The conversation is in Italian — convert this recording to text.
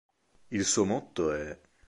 Il suo motto è